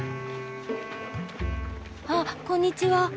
あっこんにちは。